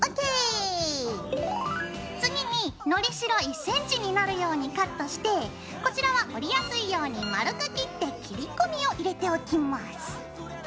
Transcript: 次にのりしろ１ｃｍになるようにカットしてこちらは折りやすいように丸く切って切り込みを入れておきます。